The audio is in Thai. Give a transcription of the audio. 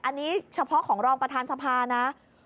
อันนี้เฉพาะของรองประธานสภานะ